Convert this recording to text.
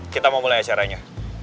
kita mau mulai acaranya